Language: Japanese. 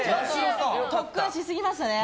特訓しすぎましたね。